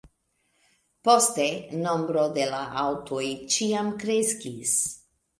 Poste nombro de la aŭtoj ĉiam kreskis.